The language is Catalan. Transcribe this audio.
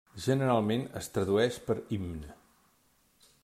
Generalment, es tradueix per himne.